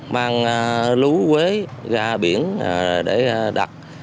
mang lú quế ra biển để đặt